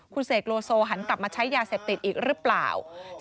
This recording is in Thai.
คุณเสกโลโซหันกลับมาใช้ยาเสพติดอีกหรือเปล่า